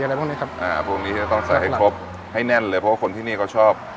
อะไรพวกนี้ครับอ่าพวกนี้จะต้องใส่ให้ครบให้แน่นเลยเพราะว่าคนที่นี่เขาชอบ